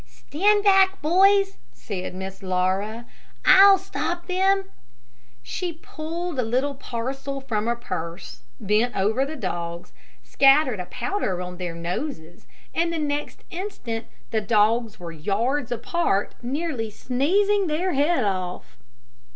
"Stand back, boys," said Miss Laura; "I'll stop them." She pulled a little parcel from her purse, bent over the dogs, scattered a powder on their noses, and the next instant the dogs were yards apart, nearly sneezing their heads off.